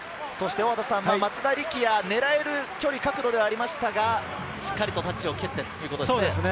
松田力也、狙える距離・角度ではありましたが、しっかりタッチを蹴ってということですね。